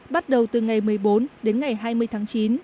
bắt đầu từ ngày một mươi bốn đến ngày hai mươi tháng chín